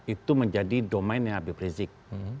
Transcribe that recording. itu menjadi domainnya habib rizik